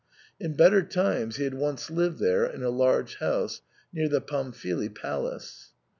In better times he had once lived there in a large house near the Pamfili Palace.